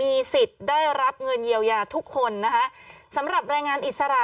มีสิทธิ์ได้รับเงินเยียวยาทุกคนนะคะสำหรับแรงงานอิสระ